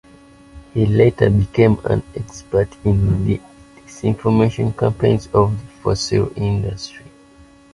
He later became an expert in disinformation campaigns of the fossil fuel industry.